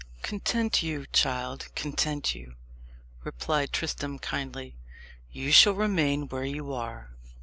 "Content you, child content you," replied Tristram kindly. "You shall remain where you are."